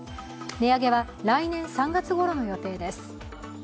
値上げは来年３月ごろの予定です。